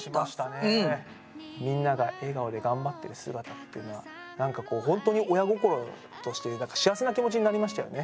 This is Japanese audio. みんなが笑顔で頑張ってる姿っていうのはなんかこうほんとに親心として幸せな気持ちになりましたよね。